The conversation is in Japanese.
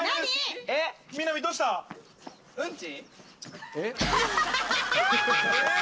うんち？